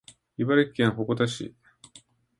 茨城県鉾田市